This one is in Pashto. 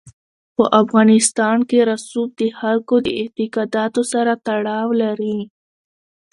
په افغانستان کې رسوب د خلکو د اعتقاداتو سره تړاو لري.